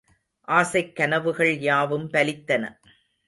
ஆசைக்கனவுகள் யாவும் பலித்தன.